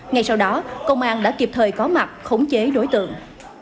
ngay sau đó công an đã kịp thời có mặt khống chế đối tượng